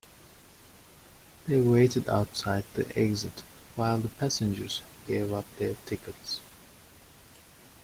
They waited outside the exit while the passengers gave up their tickets.